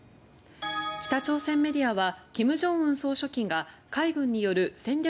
北朝鮮メディアは金正恩総書記が海軍による戦略